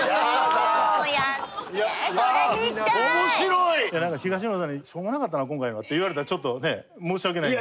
いや何か東野さんにしょうもなかったな今回はって言われたらちょっとね申し訳ないんで。